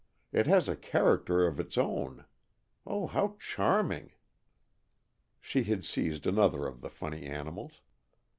It has a character of its own. Oh, how charming!" She had seized another of the funny animals.